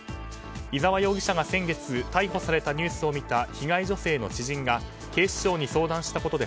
伊沢容疑者が先月逮捕されたニュースを見た被害女性の知人が警視庁に相談したことで